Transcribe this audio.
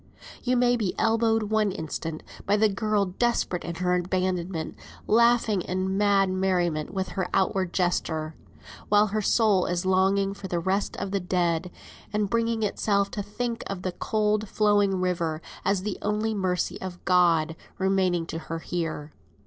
You may be elbowed one instant by the girl desperate in her abandonment, laughing in mad merriment with her outward gesture, while her soul is longing for the rest of the dead, and bringing itself to think of the cold flowing river as the only mercy of God remaining to her here.